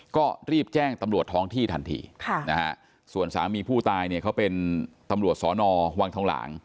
ก็รีบแจ้งตำรวจท้องที่ทันทีส่วนสามีผู้ตายเนี่ยเขาเป็นตำรวจสอนอวังทองหลาง